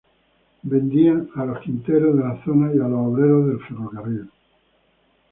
Vendían a los quinteros de la zona y a los obreros del ferrocarril.